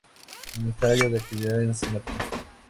Ensayo de actividad enzimática